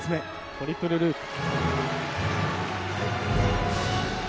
トリプルループ。